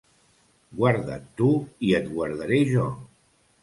Guarda't tu i et guardaré jo.